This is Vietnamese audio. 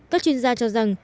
các chuyên gia cho rằng